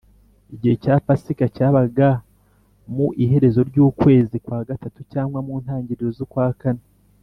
. Igihe cya Pasika cyabaga mu iherezo ry’ukwezi kwa gatatu cyagwa mu ntangiriro z’ukwa kane